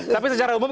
tapi secara umum